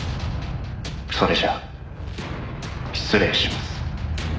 「それじゃあ失礼します」